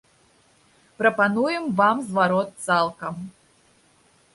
Прапануем вам зварот цалкам.